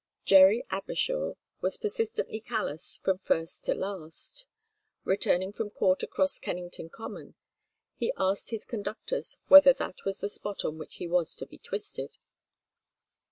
Jerry Abershaw was persistently callous from first to last. Returning from court across Kennington Common, he asked his conductors whether that was the spot on which he was to be twisted?